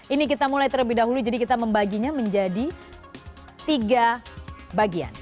ini kita mulai terlebih dahulu jadi kita membaginya menjadi tiga bagian